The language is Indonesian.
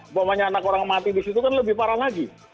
umpamanya anak orang mati di situ kan lebih parah lagi